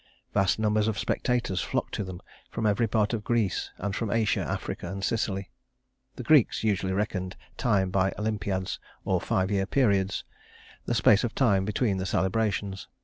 Vast numbers of spectators flocked to them from every part of Greece and from Asia, Africa, and Sicily. The Greeks usually reckoned time by Olympiads or five year periods, the space of time between the celebrations.